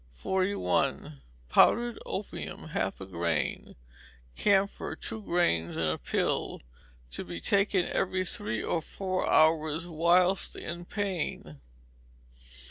41. Powdered opium, half a grain; camphor, two grains in a pill; to be taken every three or four hours whilst in pain.